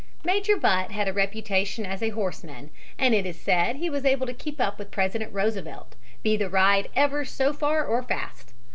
Major Butt had a reputation as a horseman, and it is said he was able to keep up with President Roosevelt, be the ride ever so far or fast.